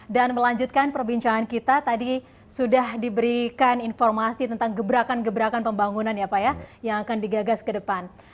dan melanjutkan perbincangan kita tadi sudah diberikan informasi tentang gebrakan gebrakan pembangunan ya pak ya yang akan digagas ke depan